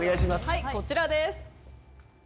こちらです。